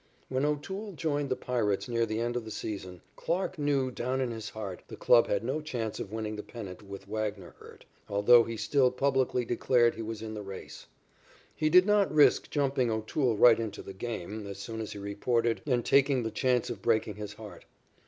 When O'Toole joined the Pirates near the end of the season, Clarke knew down in his heart the club had no chance of winning the pennant with Wagner hurt, although he still publicly declared he was in the race. He did not risk jumping O'Toole right into the game as soon as he reported and taking the chance of breaking his heart.